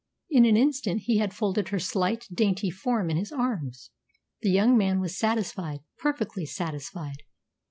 In an instant he had folded her slight, dainty form in his arms. The young man was satisfied, perfectly satisfied.